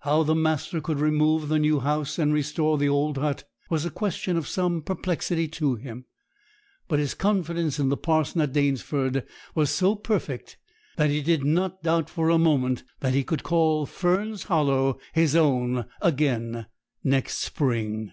How the master could remove the new house and restore the old hut was a question of some perplexity to him; but his confidence in the parson at Danesford was so perfect, that he did not doubt for a moment that he could call Fern's Hollow his own again next spring.